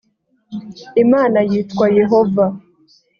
imana yitwa yehova